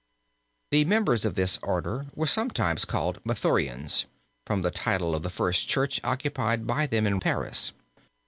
The members of this order were sometimes called Mathurins, from the title of the first church occupied by them in Paris.